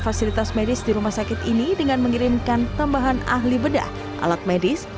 fasilitas medis di rumah sakit ini dengan mengirimkan tambahan ahli bedah alat medis